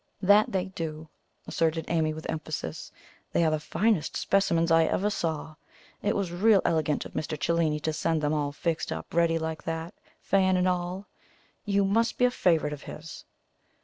"That they do," asserted Amy, with emphasis. "They are the finest specimens I ever saw. It was real elegant of Mr. Cellini to send them all fixed up ready like that, fan and all. You must be a favourite of his!"